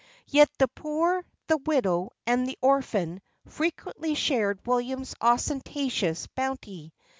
Yet the poor, the widow, and the orphan, frequently shared William's ostentatious bounty.